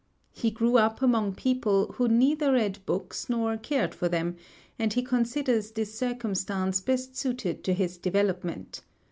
He grew up among people who neither read books nor cared for them, and he considers this circumstance best suited to his development.